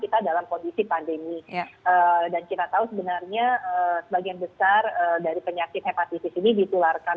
kita dalam kondisi pandemi dan kita tahu sebenarnya sebagian besar dari penyakit hepatitis ini ditularkan